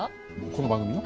この番組の？